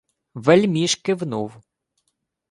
Вельміж кивнув.